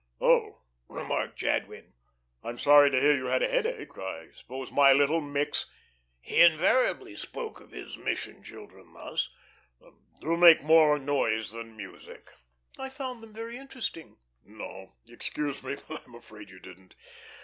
"Oh," remarked Jadwin, "I'm sorry to hear you had a headache. I suppose my little micks" (he invariably spoke of his mission children thus) "do make more noise than music." "I found them very interesting." "No, excuse me, but I'm afraid you didn't.